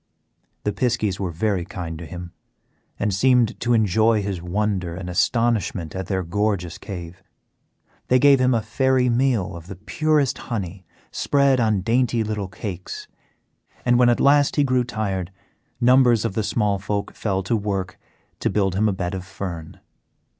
The piskies were very kind to him, and seemed to enjoy his wonder and astonishment at their gorgeous cave. They gave him a fairy meal of the purest honey spread on dainty little cakes, and when at last he grew tired numbers of the small folk fell to work to build him a bed of fern.